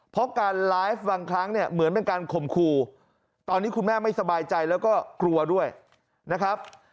เพราะการไลฟ์บางครั้งเนี่ยเหมือนเป็นการข่มขู่ตอนนี้คุณแม่ไม่สบายใจแล้วก็กลัวด้วยนะครับ